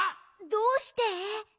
どうして？